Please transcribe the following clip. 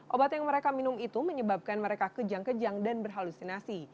obat yang mereka minum itu menyebabkan mereka kejang kejang dan berhalusinasi